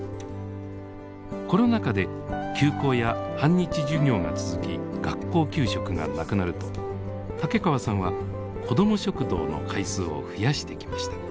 コロナ禍で休校や半日授業が続き学校給食がなくなると竹川さんは子ども食堂の回数を増やしてきました。